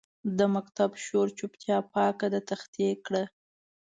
د مکتب شور چوپتیا پاکه د تختې کړه